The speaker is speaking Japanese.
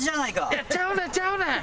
いやちゃうねんちゃうねん！